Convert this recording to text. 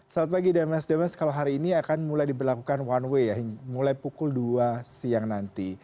selamat pagi demes demes kalau hari ini akan mulai diberlakukan one way ya mulai pukul dua siang nanti